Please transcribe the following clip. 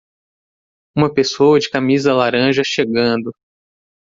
Uma pessoa de camisa laranja chegando.